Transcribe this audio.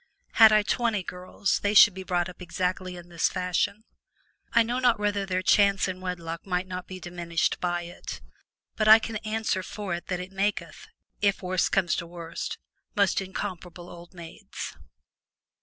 Had I twenty girls they should be brought up exactly in this fashion. I know not whether their chance in wedlock might not be diminished by it, but I can answer for it that it maketh (if worse comes to worst) most incomparable old maids.